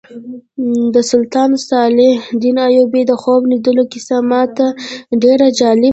د سلطان صلاح الدین ایوبي د خوب لیدلو کیسه ماته ډېره جالبه وه.